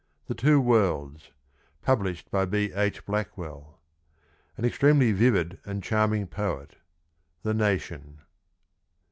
THE TWO WORLDS. Published by B. H. Blackwell. An extremely vivid and charming poet. — The Nation.